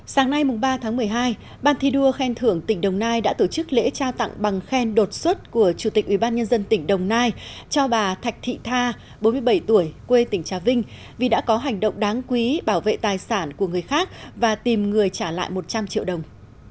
sáng nay ba tháng một mươi hai ban thi đua khen thưởng tỉnh đồng nai đã tổ chức lễ trao tặng bằng khen đột xuất của chủ tịch ubnd tỉnh đồng nai cho bà thạch thị tha bốn mươi bảy tuổi quê tỉnh trà vinh vì đã có hành động đáng quý bảo vệ tài sản của người khác và tìm người trả lại một trăm linh triệu đồng